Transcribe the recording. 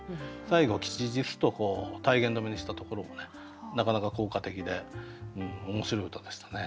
最後「吉日」と体言止めにしたところもなかなか効果的で面白い歌でしたね。